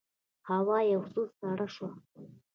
هوا یو څه سړه شوه.